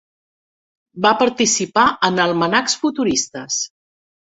Va participar en almanacs futuristes.